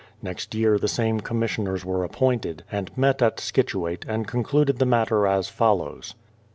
Next year the same commissioners were appointed, and met at Scituate, and concluded the matter as follows.